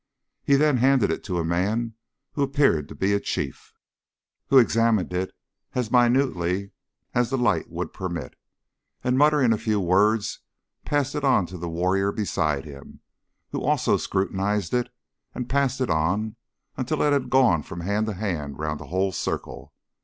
He then handed it to a man who appeared to be a chief, who examined it as minutely as the light would permit, and muttering a few words passed it on to the warrior beside him, who also scrutinised it and passed it on until it had gone from hand to hand round the whole circle.